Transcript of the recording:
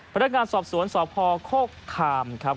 พนักงานสอบสวนสพโคกคามครับ